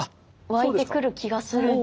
湧いてくる気がするんですけど。